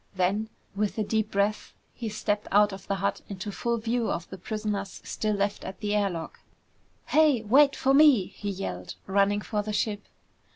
Then, with a deep breath, he stepped out of the hut into full view of the prisoners still left at the air lock. "Hey, wait for me!" he yelled, running for the ship.